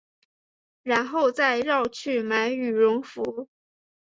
然后再绕去买羽绒衣